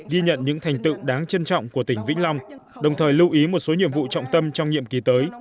ghi nhận những thành tựu đáng trân trọng của tỉnh vĩnh long đồng thời lưu ý một số nhiệm vụ trọng tâm trong nhiệm kỳ tới